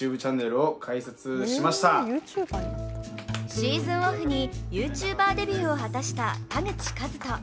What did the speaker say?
シーズンオフにＹｏｕＴｕｂｅｒデビューを果たした田口麗斗。